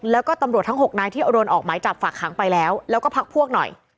แล้วก็ตำรวจทั้ง๖นายที่โดนออกหมายจับฝากหางไปแล้วแล้วก็พักพวกหน่อย